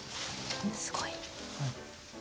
すごい。